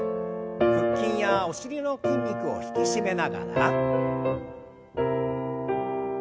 腹筋やお尻の筋肉を引き締めながら。